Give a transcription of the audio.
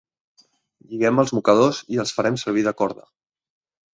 Lliguem els mocadors i els farem servir de corda.